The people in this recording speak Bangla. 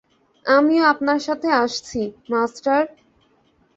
আমিও আপনার সাথে আসছি, মাস্টার।